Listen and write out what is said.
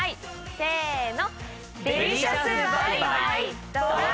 せの！